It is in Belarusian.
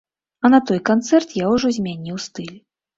А на той канцэрт я ўжо змяніў стыль.